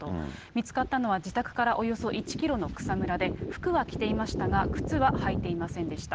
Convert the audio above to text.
見つかったのは自宅からおよそ１キロの草むらで、服は着ていましたが、靴は履いていませんでした。